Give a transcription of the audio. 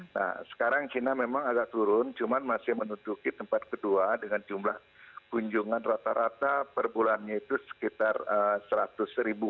nah sekarang china memang agak turun cuma masih menuduki tempat kedua dengan jumlah kunjungan rata rata per bulannya itu sekitar seratus ribu